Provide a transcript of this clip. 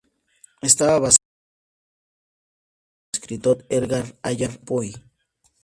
Está basada en el cuento "El gato negro" del escritor Edgar Allan Poe.